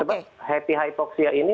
sebab happy hypoxia ini